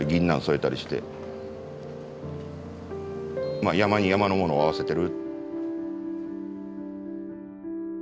まあ山に山のものを合わせてる。